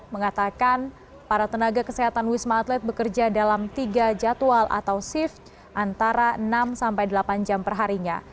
mengatakan para tenaga kesehatan wisma atlet bekerja dalam tiga jadwal atau shift antara enam sampai delapan jam perharinya